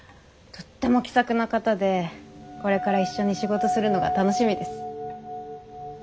とっても気さくな方でこれから一緒に仕事するのが楽しみです。